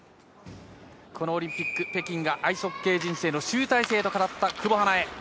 このオリンピック、北京がアイスホッケー人生の集大成と語った久保英恵。